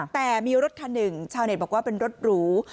แต่มีรถคันหนึ่งชาวเน็ตบอกว่าเป็นรถหรู